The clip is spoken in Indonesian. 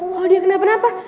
ko dia kenapa napa